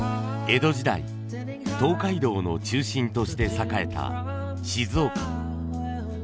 江戸時代東海道の中心として栄えた静岡。